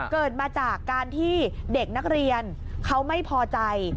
เกิดมาจากการที่เด็กนักเรียนเขาไม่พอใจ